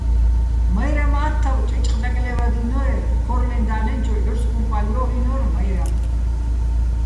მაჲრამ ა́თთავ ჭეჭყ დაკლე́ვადინო́ერ, ქორლეჼ და́ლ'ენჩოვ ჺურსკუმპა́ლ ჲო́ღჲინორ მაჲრამ.